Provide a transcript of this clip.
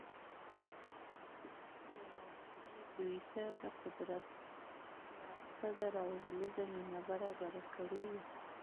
يـو وخـت يـې دوي تـه د قـدرت لاس تـه راوړلـو زمـينـه بـرابـره کـړي وي.